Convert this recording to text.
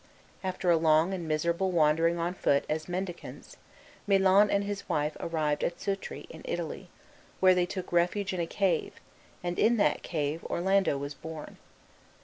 After a long and miserable wandering on foot as mendicants Milon and his wife arrived at Sutri, in Italy, where they took refuge in a cave, and in that cave Orlando was born.